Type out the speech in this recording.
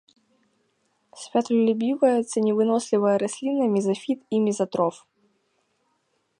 Святлолюбівая, ценевынослівая расліна, мезафіт і мезатроф.